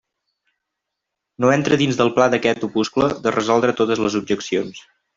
No entra dins del pla d'aquest opuscle de resoldre totes les objeccions.